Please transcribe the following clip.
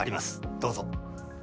どうぞ。